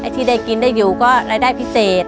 ที่ได้กินได้อยู่ก็รายได้พิเศษ